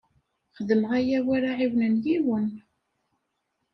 Xedmeɣ aya war aɛiwen n yiwen.